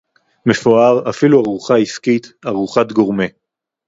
מפואר, אפילו ארוחה עסקית, ארוחת גורמה